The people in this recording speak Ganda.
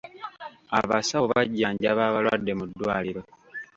Abasawo bajjanjaba abalwadde mu ddwaliro.